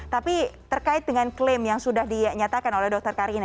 tapi terkait dengan klaim yang sudah dinyatakan oleh dr karina